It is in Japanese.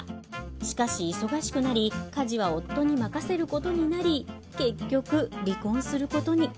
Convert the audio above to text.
しかし忙しくなり家事は夫に任せることになり結局離婚することに。